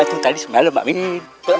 ini apaan tadi semalam amin